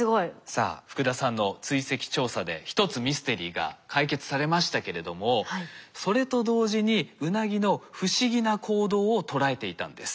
さあ福田さんの追跡調査で１つミステリーが解決されましたけれどもそれと同時にウナギの不思議な行動を捉えていたんです。